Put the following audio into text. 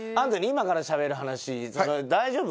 今からしゃべる話それは。